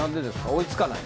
追い付かない？